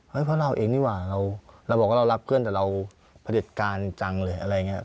เพราะเราเองนี่หว่าเราบอกว่าเรารักเพื่อนแต่เราผลิตการจังเลยอะไรอย่างนี้